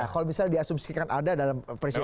kalau misalnya di asumsikan ada dalam presiden